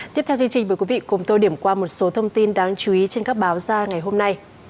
tiếp theo chương trình mời quý vị cùng tôi điểm qua một số thông tin đáng chú ý trên các báo ra ngày hôm nay